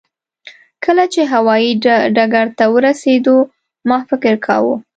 کله چې هوایي ډګر ته ورسېدو ما فکر کاوه.